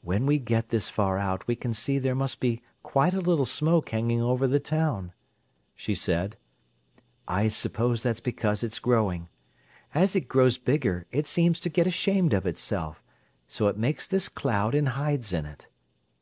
"When we get this far out we can see there must be quite a little smoke hanging over the town," she said. "I suppose that's because it's growing. As it grows bigger it seems to get ashamed of itself, so it makes this cloud and hides in it.